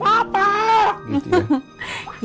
kau sudah menangki